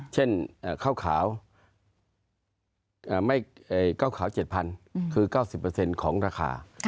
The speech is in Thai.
เช่นข้าวขาว๗๐๐๐คือ๙๐ของราคา